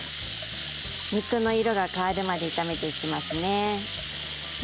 肉の色が変わるまで炒めていきます。